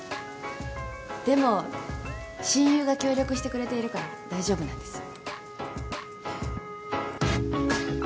でも親友が協力してくれているから大丈夫なんです。